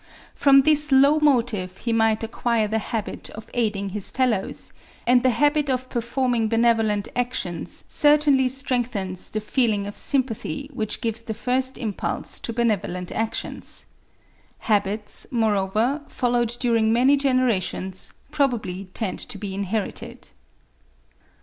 From this low motive he might acquire the habit of aiding his fellows; and the habit of performing benevolent actions certainly strengthens the feeling of sympathy which gives the first impulse to benevolent actions. Habits, moreover, followed during many generations probably tend to be inherited.